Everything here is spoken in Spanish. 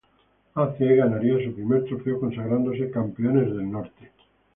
A. C. ganaría su primer trofeo, consagrándose "Campeones del Norte".